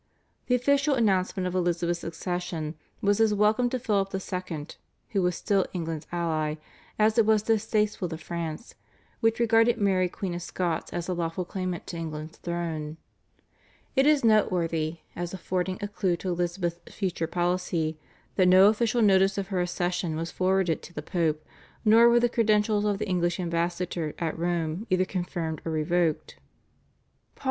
The official announcement of Elizabeth's accession was as welcome to Philip II., who was still England's ally, as it was distasteful to France, which regarded Mary Queen of Scots as the lawful claimant to England's throne. It is noteworthy, as affording a clue to Elizabeth's future policy, that no official notice of her accession was forwarded to the Pope, nor were the credentials of the English ambassador at Rome either confirmed or revoked. Paul IV.